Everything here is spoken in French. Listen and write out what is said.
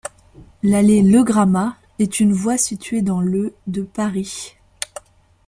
L'allée Le Gramat est une voie située dans le de Paris.